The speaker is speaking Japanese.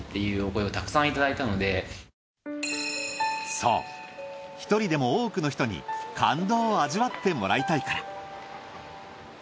そう１人でも多くの人に感動を味わってもらいたいから。